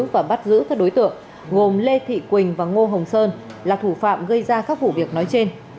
và bắt giữ các đối tượng gồm lê thị quỳnh và ngô hồng sơn là thủ phạm gây ra các vụ việc nói trên